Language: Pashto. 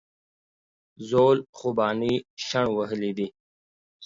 زول خوبانۍ شڼ وهلي دي